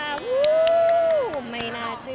หวู้ไม่น่าเชื่อ